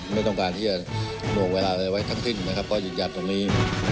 ไม่ต้องการที่จะน่วงเวลาอะไรไว้ทั้งสิ้นนะครับก็ยืนยันตรงนี้